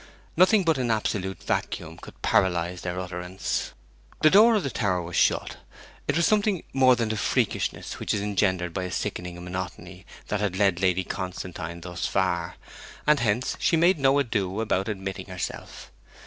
Nothing but an absolute vacuum could paralyze their utterance. The door of the tower was shut. It was something more than the freakishness which is engendered by a sickening monotony that had led Lady Constantine thus far, and hence she made no ado about admitting herself.